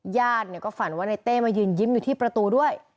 ญาติก็ฝันว่าในเต้มายืนยิ้มอยู่ที่ประตูด้วย